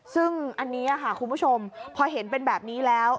ซึ่งอันนี้ค่ะคุณผู้ชมพอเห็นเป็นแบบนี้แล้ว